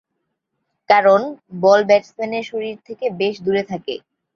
কারণ, বল ব্যাটসম্যানের শরীর থেকে বেশ দূরে থাকে।